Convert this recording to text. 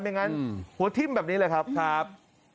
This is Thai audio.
ไม่งั้นหัวทิ้งแบบนี้เลยครับ